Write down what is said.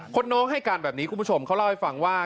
น้องให้การแบบนี้คุณผู้ชมเขาเล่าให้ฟังว่า